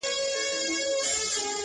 نه زما زخم د لکۍ سي جوړېدلای!!